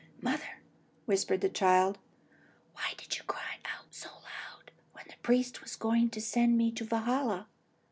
"Mother," whispered the child, "why did you cry out so loud, when the priest was going to send me to Valhalla?"